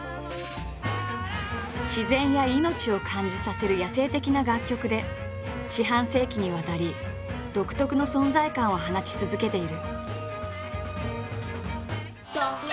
自然や命を感じさせる野生的な楽曲で四半世紀にわたり独特な存在感を放ち続けている。